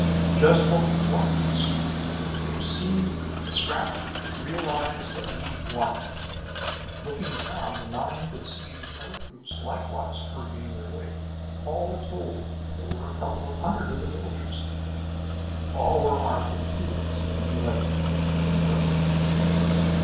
"Just what we want!" he exclaimed. "They've seen the scrap, and realize that we've won!" Looking around, the nine could see the other groups likewise hurrying their way. All told, there were a couple of hundred of the villagers, and all were armed with tools they knew how to use very well.